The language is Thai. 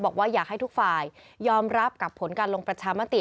บอกว่าอยากให้ทุกฝ่ายยอมรับกับผลการลงประชามติ